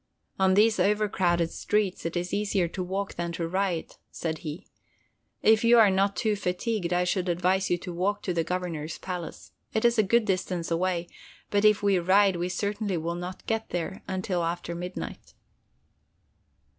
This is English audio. "On these overcrowded streets it is easier to walk than to ride," said he. "If you are not too fatigued, I should advise you to walk to the Governor's palace. It is a good distance away, but if we ride we certainly will not get there until after midnight."